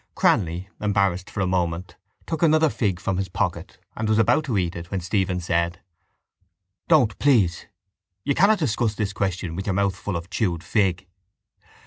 Cranly, embarrassed for a moment, took another fig from his pocket and was about to eat it when Stephen said: —Don't, please. You cannot discuss this question with your mouth full of chewed fig.